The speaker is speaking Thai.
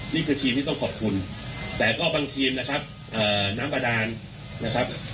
นี่คือทีมที่ต้องขอบคุณแต่ก็บางทีมนะครับน้ำกระดานนะครับ